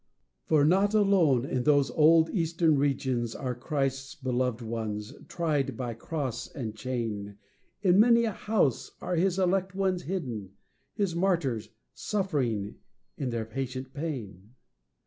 For not alone in those old Eastern regions Are Christ's beloved ones tried by cross and chain; In many a house are his elect ones hidden, His martyrs suffering in their patient pain.